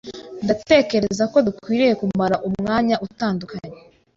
Ndatekereza ko dukwiye kumara umwanya utandukanye.